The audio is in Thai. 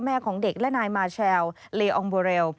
แม่ของเด็กและนายมาเชลล์ลีอองบอเรล